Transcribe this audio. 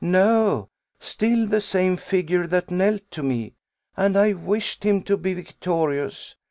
"No; still the same figure that knelt to me; and I wished him to be victorious.